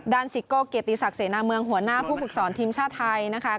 ซิโก้เกียรติศักดิเสนาเมืองหัวหน้าผู้ฝึกสอนทีมชาติไทยนะคะ